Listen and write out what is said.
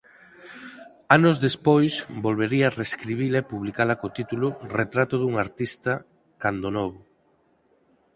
Anos despois volvería reescribila e publicala co título Retrato dun artista cando novo.